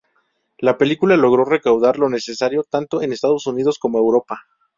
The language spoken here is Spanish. La película logró recaudar lo necesario tanto en Estados Unidos como Europa.